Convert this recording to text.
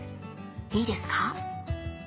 いいですか？